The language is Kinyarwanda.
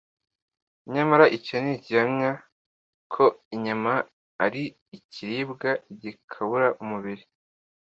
nyamara icyo ni igihamya ko inyama ari ikiribwa gikabura umubiri